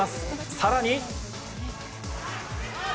更に。